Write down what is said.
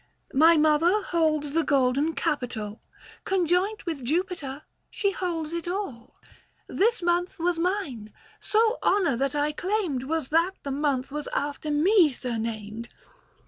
My mother holds the golden Capitol, Conjoint with Jupiter she holds it all. 176 THE FASTI. Book VI. This month was mine ; sole honour that I claimed 85 Was that the month was after me surnamed.